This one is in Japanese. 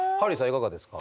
いかがですか？